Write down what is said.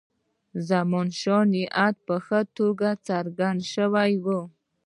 د زمانشاه نیت په ښه توګه څرګند شوی وو.